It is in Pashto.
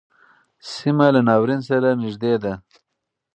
سیمه له ناورین سره نږدې ده.